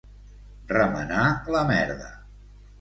Remenar la merda.